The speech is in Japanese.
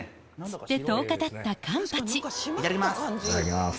釣って１０日たったカンパチいただきます。